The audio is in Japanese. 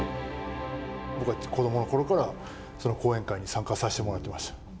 子どものころから後援会に参加さしてもらっていました。